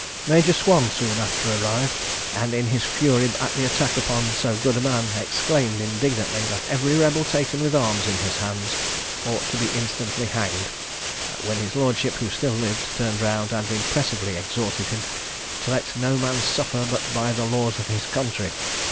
Major Swan soon after arrived, and in his fury at the attack upon so good a man, exclaimed indignantly, that every rebel taken with arms in his hands ought to be instantly hanged; when his lordship, who still lived, turned round, and impressively exhorted him "to let no man suffer but by the laws of his country."